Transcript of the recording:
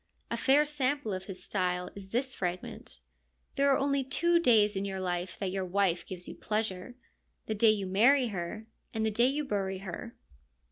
A fair sample of his style is this fragment :' There are only two days in your life that your wife gives you pleasure: the day you marry her and the day you bury her.'